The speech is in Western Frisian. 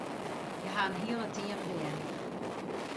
Hja hawwe in hiel team bern.